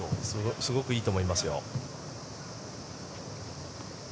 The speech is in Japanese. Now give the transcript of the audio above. すごくいいと思いますよ。